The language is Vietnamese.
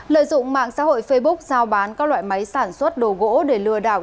lợi dụng mạng xã hội facebook giao bán các loại máy sản xuất đồ gỗ để lừa đảo